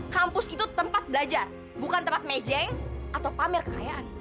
kampus itu tempat belajar bukan tempat mejeng atau pamer kekayaan